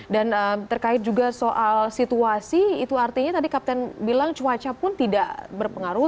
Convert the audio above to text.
dan terkait juga soal situasi itu artinya tadi kapten bilang cuaca pun tidak berpengaruh